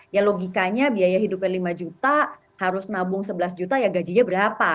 ya logikanya biaya hidupnya lima juta harus nabung sebelas juta ya gajinya berapa